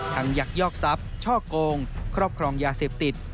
ยักยอกทรัพย์ช่อโกงครอบครองยาเสพติด